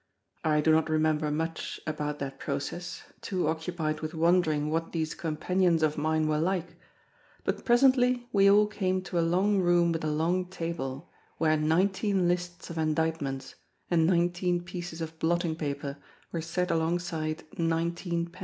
I do not remember much about that process, too occupied with wondering what these companions of mine were like; but presently we all came to a long room with a long table, where nineteen lists of indictments and nineteen pieces of blotting paper were set alongside nineteen pens.